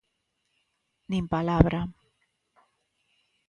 Nin palabra.